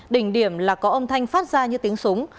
đỉnh điểm là có âm thanh phát ra như tiếng súng